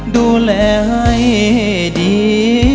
ดูแลให้ดี